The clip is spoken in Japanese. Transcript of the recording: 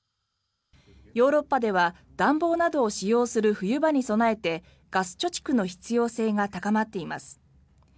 ヨーロッパでは暖房などを使用する冬場に備えてガス貯蓄の必要性が高まっています。